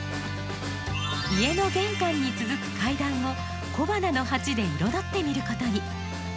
家の玄関に続く階段を小花の鉢で彩ってみることに。